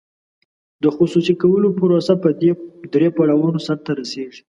د خصوصي کولو پروسه په درې پړاوونو سر ته رسیږي.